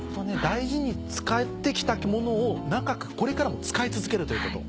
大事に使って来た物を長くこれからも使い続けるということ。